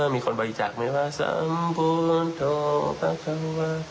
มีคนบริจักษ์ไหมว่าสภศโธภศว